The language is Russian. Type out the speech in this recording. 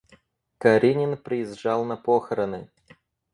Каренин приезжал на похороны.